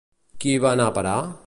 Qui hi va anar a parar?